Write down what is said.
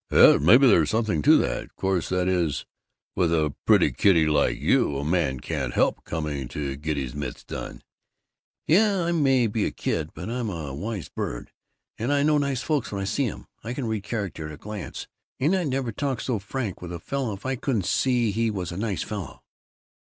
'" "Yes, maybe there's something to that. Course, that is with a pretty kiddy like you, a man can't help coming to get his mitts done." "Yeh, I may be a kid, but I'm a wise bird, and I know nice folks when I see um I can read character at a glance and I'd never talk so frank with a fellow if I couldn't see he was a nice fellow."